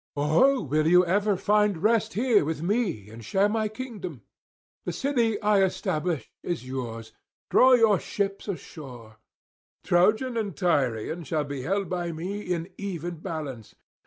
Or will you even find rest here with me and share my kingdom? The city I establish is yours; draw your ships ashore; Trojan and Tyrian shall be held by me in even balance.